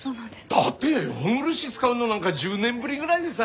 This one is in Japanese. だって本漆使うのなんか１０年ぶりぐらいでさ。